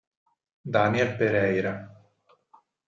Daniel Pereira